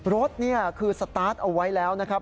นี่คือสตาร์ทเอาไว้แล้วนะครับ